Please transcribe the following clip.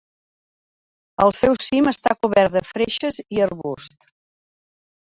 El seu cim està cobert de freixes i arbusts.